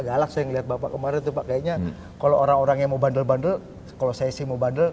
galak saya ngelihat bapak kemarin tuh pak kayaknya kalau orang orang yang mau bandel bandel kalau saya